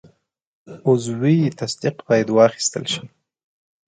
عضوي تصدیق باید واخیستل شي.